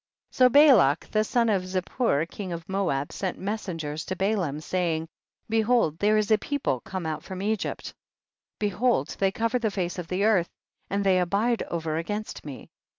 44. So Balak the son of Zippor king of Moab sent messengers to Balaam, saying, 45. Behold there is a people come out from Egypt, behold they cover the face of the earth, and they abide over against me.